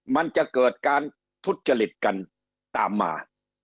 มันจะเกิดการทุจจริตกันตามมา